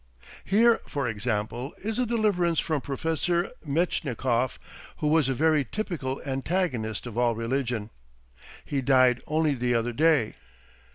Here, for example, is a deliverance from Professor Metchnikoff, who was a very typical antagonist of all religion. He died only the other day.